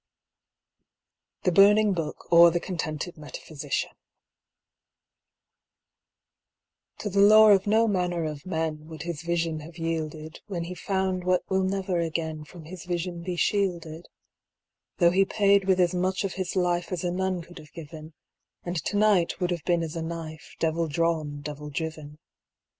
The Burning Book Or the Contented Metaphysician To the lore of no manner of men Would his vision have yielded When he found what will never again From his vision be shielded, Though he paid with as much of his life As a nun could have given, And to night would have been as a knife, Devil drawn, devil driven.